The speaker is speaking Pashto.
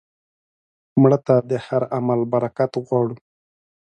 مړه ته د هر عمل برکت غواړو